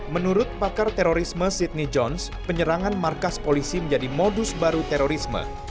menurut pakar terorisme sydney jones penyerangan markas polisi menjadi modus baru terorisme